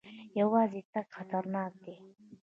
یوازې تګ خطرناک دی.